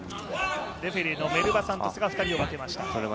レフェリーのメルバ・サントスが２人を分けました。